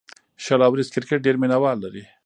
شل اوریز کرکټ ډېر مینه وال لري.